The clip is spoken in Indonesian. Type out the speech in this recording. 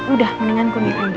udah mendingan kuning aja